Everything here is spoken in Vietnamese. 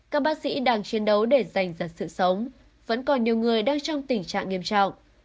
các bác sĩ đang chiến đấu để giành giật sự sống vẫn còn nhiều người đang trong tình trạng nghiêm trọng